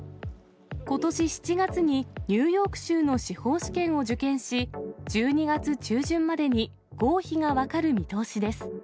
ことし７月にニューヨーク州の司法試験を受験し、１２月中旬までに合否が分かる見通しです。